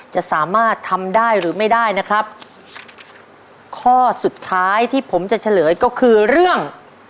จะสามารถทำได้หรือไม่ได้นะครับข้อสุดท้ายที่ผมจะเฉลยก็คือเรื่อง